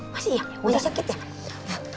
masih iya masih sakit ya